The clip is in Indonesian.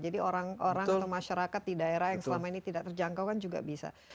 jadi orang atau masyarakat di daerah yang selama ini tidak terjangkau kan juga bisa